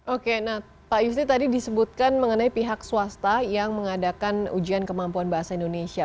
oke nah pak yusri tadi disebutkan mengenai pihak swasta yang mengadakan ujian kemampuan bahasa indonesia